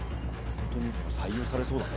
本当に採用されそうだね。